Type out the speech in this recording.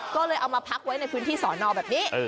ก็เลยเอามาพักไว้ในพื้นที่สอนอแบบนี้